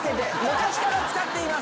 昔から使っています。